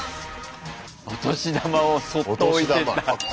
お年玉をそっと置いてった。